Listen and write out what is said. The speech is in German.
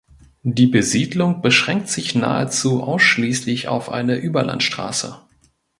Die Besiedlung beschränkt sich nahezu ausschließlich auf eine Überlandstraße.